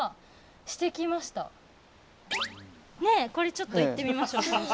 これちょっといってみましょう。